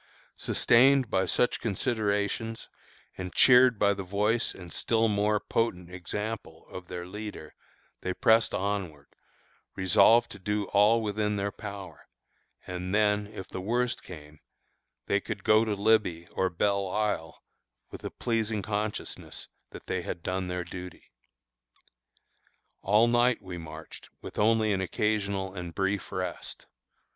Sustained by such considerations, and cheered by the voice and still more potent example of their leader, they pressed onward, resolved to do all within their power, and then, if the worst came, they could go to "Libby" or "Belle Isle," with the pleasing consciousness that they had done their duty. All night we marched with only an occasional and brief rest.